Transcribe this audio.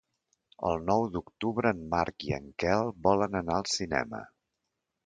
El nou d'octubre en Marc i en Quel volen anar al cinema.